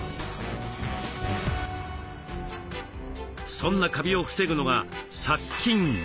そんなカビを防ぐのが殺菌。